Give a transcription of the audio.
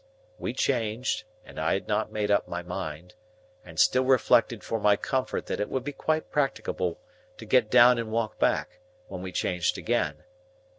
We changed, and I had not made up my mind, and still reflected for my comfort that it would be quite practicable to get down and walk back, when we changed again.